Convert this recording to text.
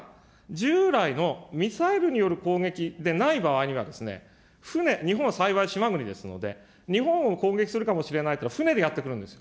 従来のミサイルによる攻撃でない場合には、船、日本は幸い島国ですので、日本を攻撃するかもしれないというのは船でやって来るんですよ。